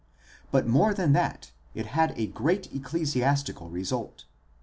But more than that it had a great ecclesiastical result.